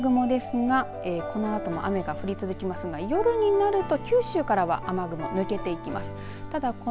その雨雲ですがこのあとも雨が降り続きますが夜になると九州からは雨雲抜けていきます。